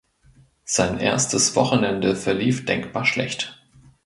Sein erstes Wochenende verlief denkbar schlecht.